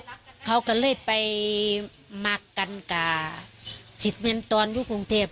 พี่น้องเขาก็เลยไปมากันกับสิทธิ์เมืองตอนลูกภูมิเทพฯ